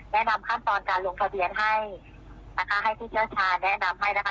แนะนำขั้นตอนการลงทะเบียนให้นะคะให้ผู้เชี่ยวชาแนะนำให้นะคะ